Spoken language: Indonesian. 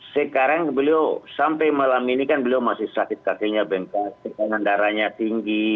sekarang beliau sampai malam ini kan beliau masih sakit kakinya bengkak tekanan darahnya tinggi